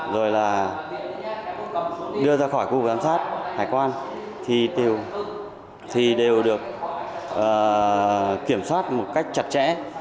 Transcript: rồi là đưa ra khỏi khu vực giám sát hải quan thì đều được kiểm soát một cách chặt chẽ